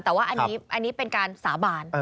แต่ว่าอันนี้เป็นการสาบาน